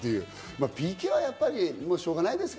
ＰＫはやっぱりしょうがないですか？